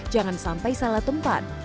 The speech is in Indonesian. jangan sampai salah tempat